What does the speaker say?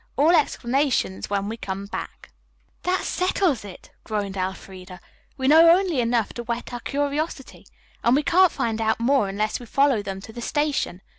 All explanations when we come back.'" "That settles it," groaned Elfreda. "We know only enough to whet our curiosity. And we can't find out more unless we follow them to the station.